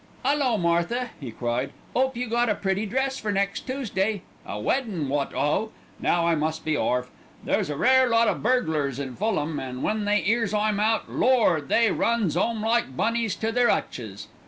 "'Ullo, Martha!" he cried. "'Ope you got a pretty dress for next Toosday. A weddin', wot'o! Now I must be orf. There's a rare lot o' burglars in Fulham, an' when they 'ears I'm out, Lord! they runs 'ome like bunnies to their 'utches.